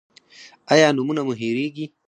ایا نومونه مو هیریږي؟